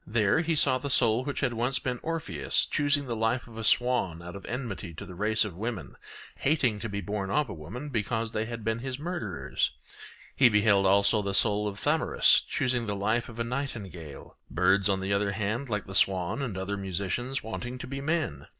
There he saw the soul which had once been Orpheus choosing the life of a swan out of enmity to the race of women, hating to be born of a woman because they had been his murderers; he beheld also the soul of Thamyras choosing the life of a nightingale; birds, on the other hand, like the swan and other musicians, wanting to be men.